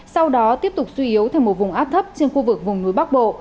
sau đó tiếp tục suy yếu thành một vùng áp thấp trên khu vực vùng núi bắc bộ